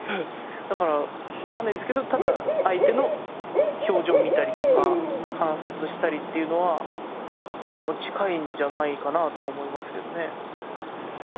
だから分かんないですけどただ相手の表情見たりとか観察したりっていうのは近いんじゃないかなとは思いますけどね。